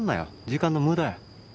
時間の無駄や。